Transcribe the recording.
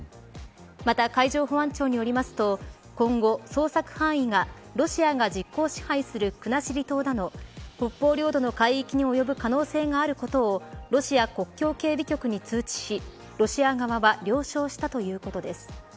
また、海上保安庁によりますと今後、捜索範囲がロシアが実効支配する国後島など北方領土の海域に及ぶ可能性があることをロシア国境警備局に通知しロシア側は了承したということです。